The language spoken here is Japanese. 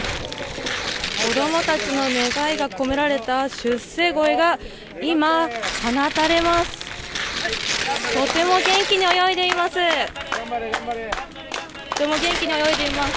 子供たちの願いが込められた出世鯉が今、放たれます。